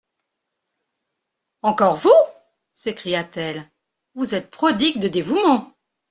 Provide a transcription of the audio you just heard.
Encore vous ! s'écria-t-elle ; vous êtes prodigue de dévouement.